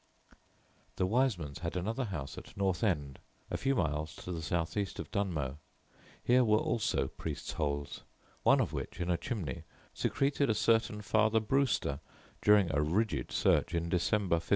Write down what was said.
The Wisemans had another house at North End, a few miles to the south east of Dunmow. Here were also "priests' holes," one of which (in a chimney) secreted a certain Father Brewster during a rigid search in December, 1593.